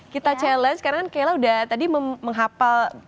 kita challenge karena kan kela udah tadi menghafal